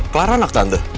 clara anak tante